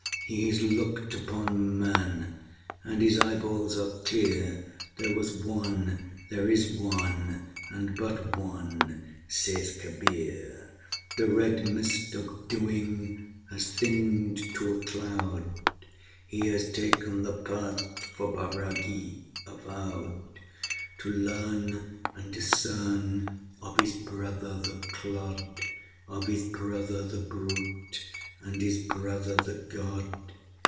He has looked upon Man, and his eyeballs are clear (There was One; there is One, and but One, saith Kabir); The Red Mist of Doing has thinned to a cloud He has taken the Path for bairagi avowed! To learn and discern of his brother the clod, Of his brother the brute, and his brother the God.